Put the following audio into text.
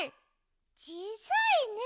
ちいさいね。